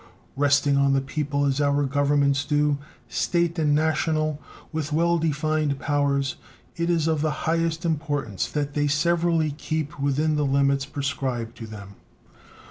Resting on the people as our Governments do, State and National, with well defined powers, it is of the highest importance that they severally keep within the limits prescribed to them.